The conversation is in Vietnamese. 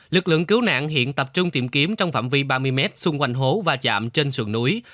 lực lượng cứu nạn hiện tập trung tìm kiếm trong phạm vi ba mươi mét xung quanh hố và chạm trên sườn núi